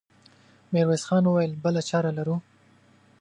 ميرويس خان وويل: بله چاره لرو؟